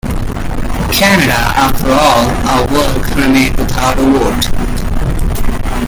Canada, after all our work remained without a vote.